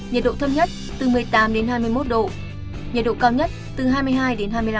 nhiệt độ thấp nhất từ một mươi tám hai mươi một độ nhiệt độ cao nhất từ hai mươi hai hai mươi năm độ